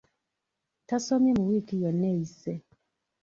Tasomye mu wiiki yonna eyise.